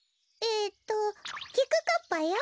えっときくかっぱよ。